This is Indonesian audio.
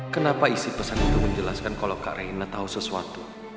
kenapa isi pesan itu menjelaskan kalau kak reina tahu sesuatu